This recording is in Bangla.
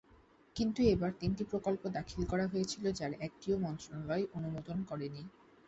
কিন্তু এবার তিনটি প্রকল্প দাখিল করা হয়েছিল, যার একটিও মন্ত্রণালয় অনুমোদন করেনি।